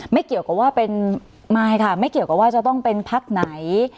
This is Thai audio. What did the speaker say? ไม่เกี่ยวกับว่าเป็นมายค่ะไม่เกี่ยวกับว่าจะต้องเป็นพักไหน